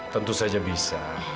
tentu saja bisa